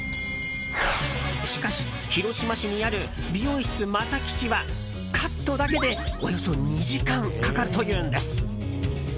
しかし、広島市にある美容室ＭＡＳＡＫＩＣＨｉはカットだけでおよそ２時間かかるというんです。